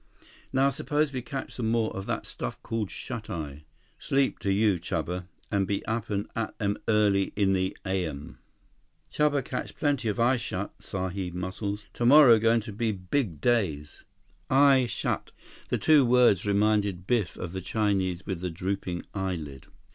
"Now suppose we catch some more of that stuff called shut eye—sleep to you, Chuba, and be up and at 'em early in the ayem." "Chuba catch plenty eye shut, Sahib Muscles. Tomorrow going to be big days." Eye shut! The two words reminded Biff of the Chinese with the drooping eyelid.